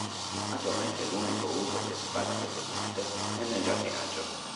Attualmente l'unico uso che si fa di queste piante è nel giardinaggio.